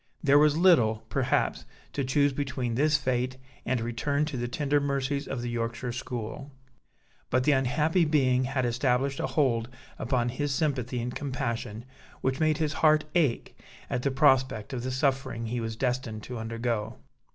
There was little, perhaps, to choose between this fate and a return to the tender mercies of the Yorkshire school: but the unhappy being had established a hold upon his sympathy and compassion, which made his heart ache at the prospect of the suffering he was destined to undergo.